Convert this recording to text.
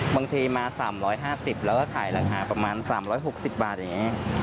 บางทีมา๓๕๐แล้วก็ขายราคาประมาณ๓๖๐บาทอย่างนี้